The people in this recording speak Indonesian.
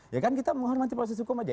ya kan kita menghormati proses hukum aja